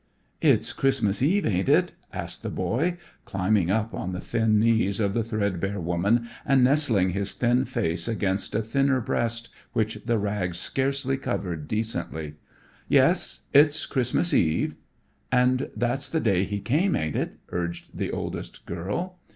"It's Christmas eve, ain't it?" asked the boy, climbing up on the thin knees of the threadbare woman and nestling his thin face against a thinner breast which the rags scarcely covered decently. "Yes, it's Christmas eve." "And that's the day He came, ain't it?" urged the oldest girl.